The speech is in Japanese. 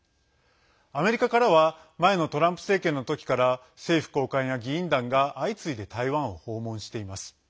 アメリカからは前のトランプ政権のときから政府高官や議員団が相次いで台湾を訪問しています。